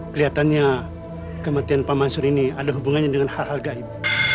kelihatannya kematian pak mansur ini ada hubungannya dengan hal hal gaib